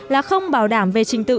là không bảo đảm về trình tự